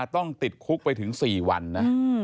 ต้องติดคุกไปถึง๔วันนะ